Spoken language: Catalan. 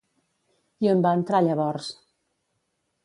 I on va entrar llavors?